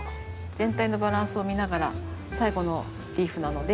全体のバランスを見ながら最後のリーフなので。